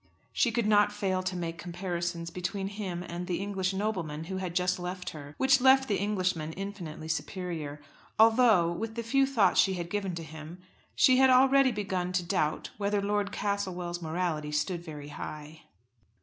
She could not fail to make comparisons between him and the English nobleman who had just left her, which left the Englishman infinitely superior; although, with the few thoughts she had given to him, she had already begun to doubt whether Lord Castlewell's morality stood very high.